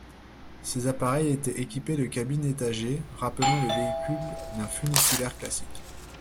Ces appareils étaient équipés de cabines étagées, rappelant les véhicules d'un funiculaire classique.